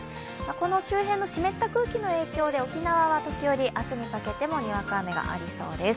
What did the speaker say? この周辺の湿った空気の影響で沖縄は時折、明日にかけてもにわか雨がありそうです